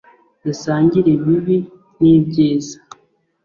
dusangira ibibi n'ibyiza